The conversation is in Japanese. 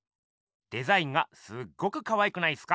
デザインがすっごくかわいくないっすか？